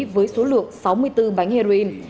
với số lượng sáu mươi bốn bánh heroin